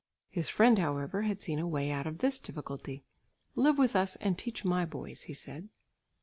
His friend, however, had seen a way out of this difficulty. "Live with us and teach my boys," he said.